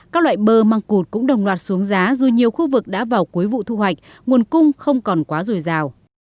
các loại bơ măng cụt cũng đồng loạt xuống giá dù nhiều khu vực đã vào cuối vụ thu hoạch nguồn cung không còn quá dồi dào